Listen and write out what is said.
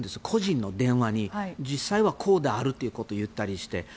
個人の電話で実際でこうであるということを言ったりして。